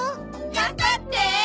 頑張って！